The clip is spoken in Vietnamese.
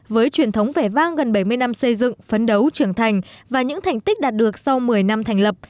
với truyền thống vẻ vang gần bảy mươi năm xây dựng phấn đấu trưởng thành và những thành tích đạt được sau một mươi năm thành lập